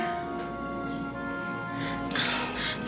nenek juga yakin